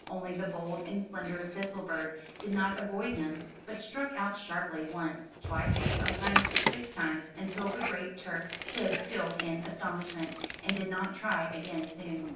Only the bold and slender Thistle bird did not avoid him, but struck out sharply, once, twice, sometimes six times, until the great Turk stood still in astonishment, and did not try again soon.